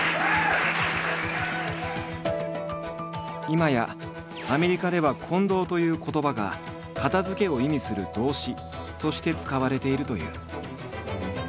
今やアメリカでは「コンドー」という言葉が「片づけ」を意味する動詞として使われているという。